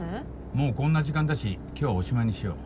もうこんな時間だし今日はおしまいにしよう。